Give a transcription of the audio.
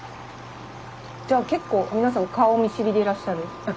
じゃあ結構皆さん顔見知りでいらっしゃる？